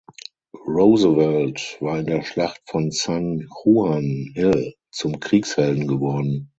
Roosevelt war in der Schlacht von San Juan Hill zum Kriegshelden geworden.